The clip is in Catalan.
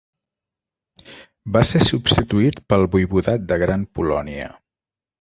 Va ser substituït pel voivodat de Gran Polònia.